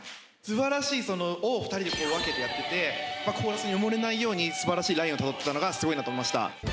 素晴らしいそのを２人で分けてやっててコーラスに埋もれないように素晴らしいラインをたどったのがすごいなと思いました